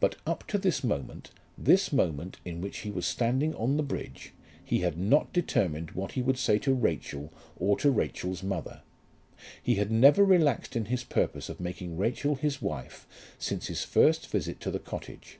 But up to this moment this moment in which he was standing on the bridge, he had not determined what he would say to Rachel or to Rachel's mother. He had never relaxed in his purpose of making Rachel his wife since his first visit to the cottage.